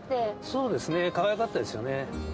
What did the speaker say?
そうですねかわいかったですよね。